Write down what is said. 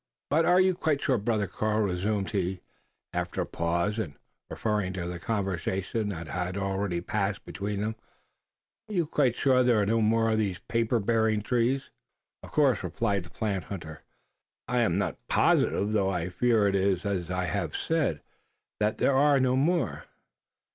"But are you quite sure, brother Karl," resumed he, after a pause, and referring to the conversation that had already passed between them "are you quite sure there are no more of these paper bearing trees?" "Of course," replied the plant hunter, "I am not positive though I fear it is as I have said that there are no more.